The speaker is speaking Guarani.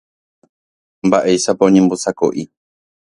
Mba'éichapa oñembosako'i.